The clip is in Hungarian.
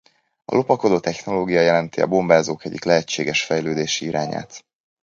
A lopakodó technológia jelenti a bombázók egyik lehetséges fejlődési irányát.